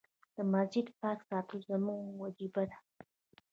د مسجد پاک ساتل زموږ وجيبه ده.